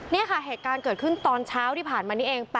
นี่ค่ะเหตุการณ์เกิดขึ้นตอนเช้าที่ผ่านมานี้เอง